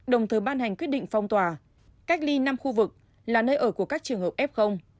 đồng thời ban hành quyết định phong tỏa cách ly năm khu vực là nơi ở của các trường hợp f